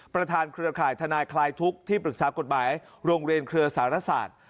เครือข่ายทนายคลายทุกข์ที่ปรึกษากฎหมายโรงเรียนเครือสารศาสตร์